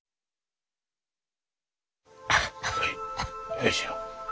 よいしょ。